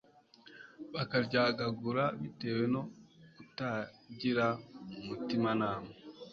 bakaryagagura bitewe no kutagira umutimanama